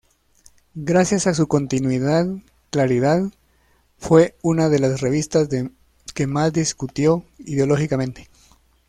Gracias a su continuidad, "Claridad" fue una de las revistas que más discutió ideológicamente.